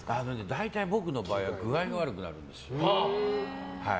大体、僕の場合は具合が悪くなるんですよ。